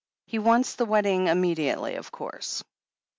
He wants the wedding immediately, of course?"